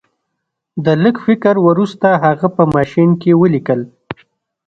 د لږ فکر وروسته هغه په ماشین کې ولیکل